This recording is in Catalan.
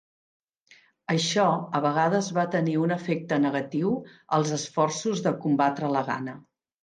Això a vegades va tenir un efecte negatiu als esforços de combatre la gana.